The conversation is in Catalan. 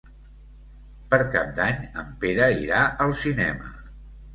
Per Cap d'Any en Pere irà al cinema.